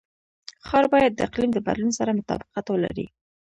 ښار باید د اقلیم د بدلون سره مطابقت ولري.